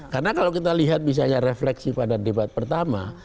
karena kalau kita lihat misalnya refleksi pada debat pertama